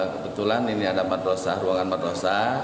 kebetulan ini ada madrasah ruangan madrasah